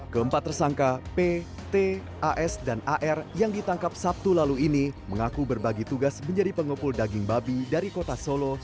keempat tersangka p t as dan ar yang ditangkap sabtu lalu ini mengaku berbagi tugas menjadi pengepul daging babi dari kota solo